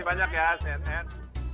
terima kasih banyak ya cnn